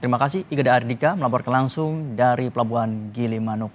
terima kasih iga d ardika melaporkan langsung dari pelabuhan gili manuk